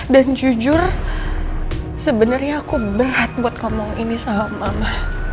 dan jujur sebenarnya aku berat buat ngomong ini sama ma